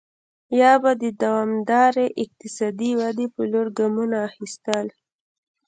یا به د دوامدارې اقتصادي ودې په لور ګامونه اخیستل.